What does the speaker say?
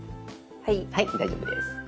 はい大丈夫です。